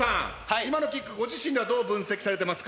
今のキックご自身ではどう分析されてますか？